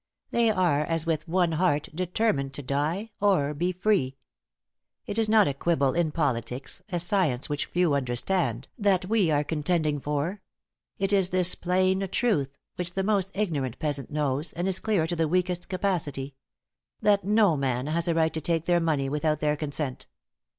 They are as with one heart determined to die or be free. It is not a quibble in politics, a science which few understand, that we are contending for; it is this plain truth, which the most ignorant peasant knows, and is clear to the weakest capacity that no man has a right to take their money without their consent.